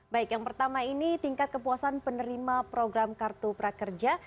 baik yang pertama ini tingkat kepuasan penerima program kartu prakerja